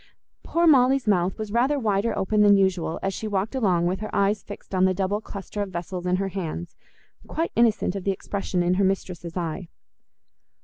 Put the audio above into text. Poor Molly's mouth was rather wider open than usual, as she walked along with her eyes fixed on the double cluster of vessels in her hands, quite innocent of the expression in her mistress's eye.